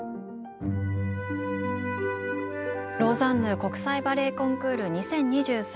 「ローザンヌ国際バレエコンクール２０２３」